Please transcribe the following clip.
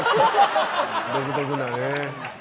独特なね。